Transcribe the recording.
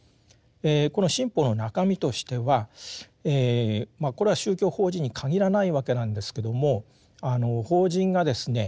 この新法の中身としてはこれは宗教法人に限らないわけなんですけども法人がですね